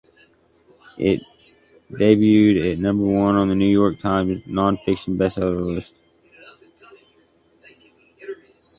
It debuted at number one on the "New York Times" nonfiction bestseller list.